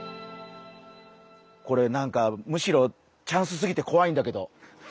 これなんかむしろチャンスすぎてこわいんだけど。